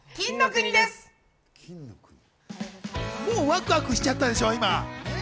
もうワクワクしちゃったでしょう。